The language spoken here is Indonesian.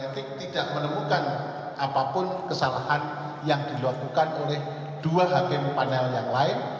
etik tidak menemukan apapun kesalahan yang dilakukan oleh dua hb panel yang lain